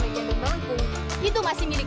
yang jantung merempung itu masih milik